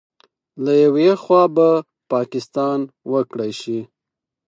له یوې خوا به پاکستان وکړې شي